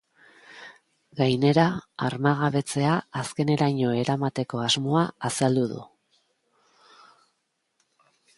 Gainera, armagabetzea azkeneraino eramateko asmoa azaldu du.